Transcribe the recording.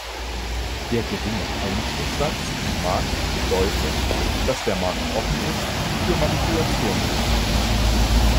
Der geringe Einschusssatz im Markt bedeutet, dass der Markt offen ist für Manipulationen.